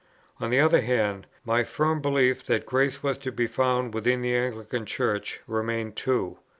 On the other hand, my firm belief that grace was to be found within the Anglican Church remained too.